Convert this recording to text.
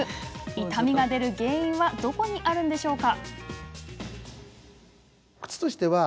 痛みが出る原因はどこにあるのでしょうか？